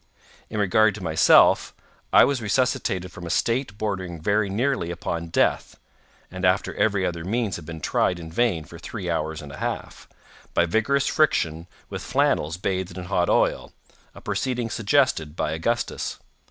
In regard to myself—I was resuscitated from a state bordering very nearly upon death (and after every other means had been tried in vain for three hours and a half) by vigorous friction with flannels bathed in hot oil—a proceeding suggested by Augustus.